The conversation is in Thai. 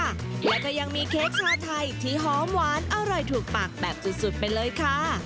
แล้วก็ยังมีเค้กชาไทยที่หอมหวานอร่อยถูกปากแบบสุดไปเลยค่ะ